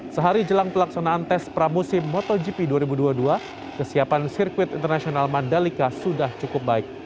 sehari jelang pelaksanaan tes pramusim motogp dua ribu dua puluh dua kesiapan sirkuit internasional mandalika sudah cukup baik